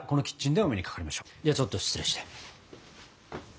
ではちょっと失礼して。